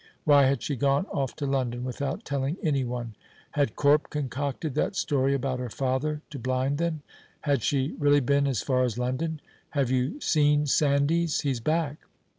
Why had she gone off to London without telling anyone? Had Corp concocted that story about her father to blind them? Had she really been as far as London? Have you seen Sandys? he's back.